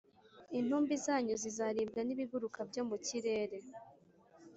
intumbi zanyu zizaribwa n’ibiguruka byo mu kirere